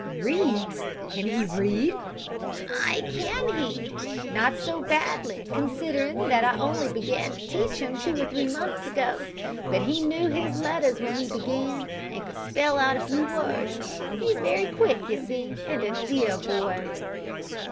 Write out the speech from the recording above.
"Reads! Can he read?" "Ay can he! not so badly, considering that I only began to teach him two or three months ago. But he knew his letters when we began, and could spell out a few words. He's very quick, you see, and a dear boy!"